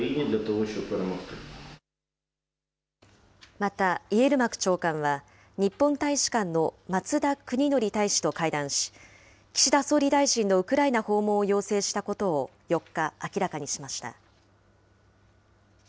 また、イエルマク長官は、日本大使館の松田邦紀大使と会談し、岸田総理大臣のウクライナ訪問を要請したことを４日、明らかにしました。